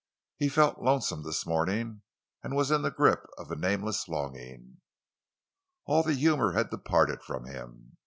He felt lonesome this morning, and was in the grip of a nameless longing. All the humor had departed from him.